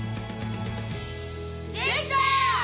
できた！